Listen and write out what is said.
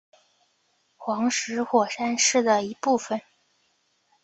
黄石火山是的一部分。